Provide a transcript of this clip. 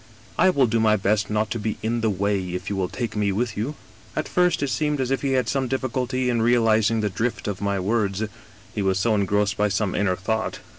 I will do my best not to be in the way if you will take me with you.' " At first it seemed as if he had some difficulty in realiz ing the drift of my words, he was so engrossed by some inner thought.